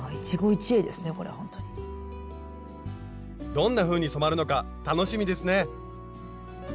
どんなふうに染まるのか楽しみですね！